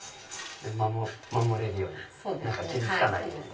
守れるように傷つかないように。